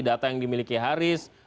data yang dimiliki haris